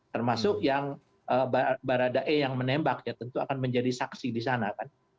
termasuk yang baradae yang menembak ya tentu akan menjadi saksi di sana kan